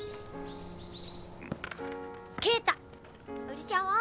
おじちゃんは？